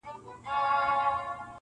را نیژدې مي سباوون دی نازوه مي -